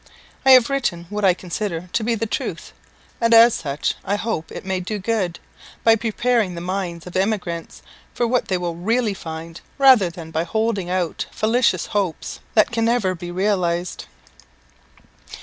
I have written what I consider to be the truth, and as such I hope it may do good, by preparing the minds of emigrants for what they will really find, rather than by holding out fallacious hopes that can never be realized.